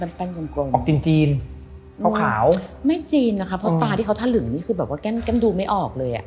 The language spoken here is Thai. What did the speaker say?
ออกจีนขาวไม่จีนนะคะเพราะตาที่เค้าทะลึงนี่คือแบบว่าแก้มดูไม่ออกเลยอะ